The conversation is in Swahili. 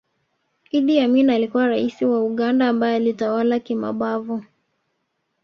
Idd Amin alikuwa Raisi wa Uganda ambaye alitawala kimabavu